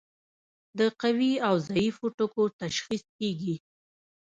د قوي او ضعیفو ټکو تشخیص کیږي.